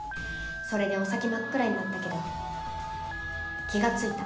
それでお先真っ暗になったけど気が付いた。